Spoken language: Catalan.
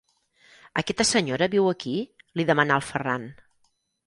Aquesta senyora viu aquí? –li demanà el Ferran.